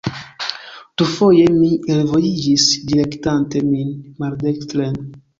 Dufoje mi elvojiĝis, direktante min maldekstren.